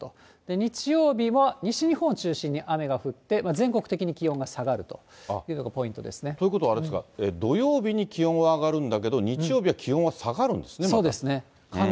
日曜日も西日本を中心に雨が降って、全国的に気温が下がるというのがポイントですね。ということはあれですか、土曜日に気温は上がるんだけど、日曜日は気温は下がるんですね、また。